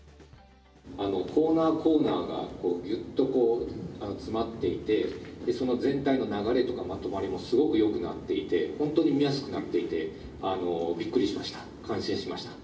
「コーナーコーナーがギュッと詰まっていてでその全体の流れとかまとまりもすごく良くなっていてホントに見やすくなっていてビックリしました。